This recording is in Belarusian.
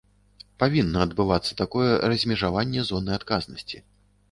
Павінна адбывацца такое размежаванне зоны адказнасці.